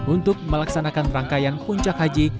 untuk melaksanakan rangkaian puncak haji